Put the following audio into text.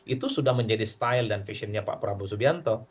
itu sudah menjadi style dan fashionnya pak prabowo subianto